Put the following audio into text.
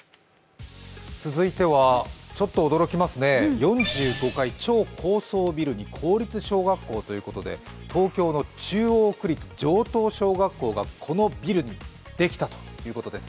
続いてはちょっと驚きますね、４５階超高層ビルに公立の小学校ということで、東京の中央区立城東小学校がこのビルにできたということです。